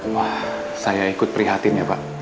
wah saya ikut prihatin ya pak